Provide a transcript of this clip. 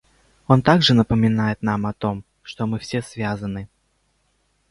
Он также напоминает нам о том, что мы все связаны.